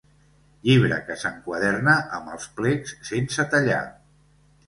Llibre que s'enquaderna amb els plecs sense tallar.